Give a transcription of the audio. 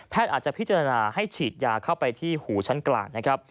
แพทย์อาจจะพิจารณาให้ฉีดยาเข้าไปที่หูชั้นกลาง